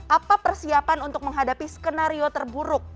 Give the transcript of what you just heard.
apa persiapan untuk menghadapi skenario terburuk